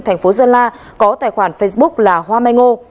thành phố sơn la có tài khoản facebook là hoa mê ngô